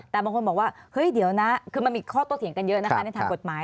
แต่บางคนบอกว่าเฮ้ยเดี๋ยวนะคือมันมีข้อโตเถียงกันเยอะนะคะในทางกฎหมาย